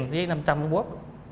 giấy năm trăm linh cái bóp